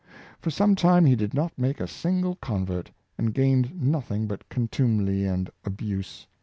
For some time he did not make a single convert, and gained noth ing but contumely and abuse.